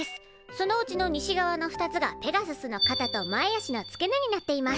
そのうちの西側の２つがペガススのかたと前足の付け根になっています。